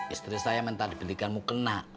istri saya minta dibelikanmu kena